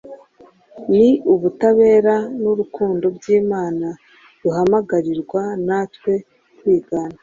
ni ubutabera n‟urukundo by‟Imana duhamagarirwa natwe kwigana.